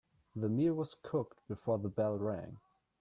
The meal was cooked before the bell rang.